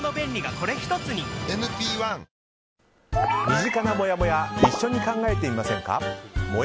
身近なもやもや一緒に考えてみませんか？